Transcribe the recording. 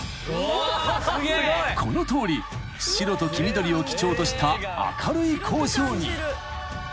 ［このとおり白と黄緑を基調とした明るい工場に］